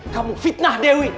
kamu fitnah dewi